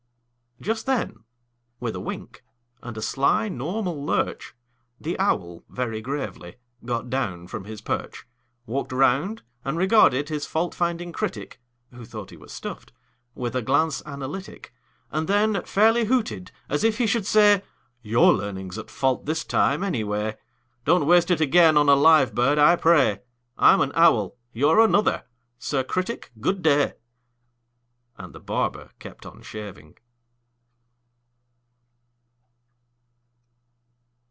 Just then, with a wink and a sly normal lurch, The owl, very gravely, got down from his perch, Walked round, and regarded his fault finding critic (Who thought he was stuffed) with a glance analytic, And then fairly hooted, as if he should say: "Your learning's at fault this time, any way; Don't waste it again on a live bird, I pray. I'm an owl; you're another. Sir Critic, good day!" And the barber kept on shaving.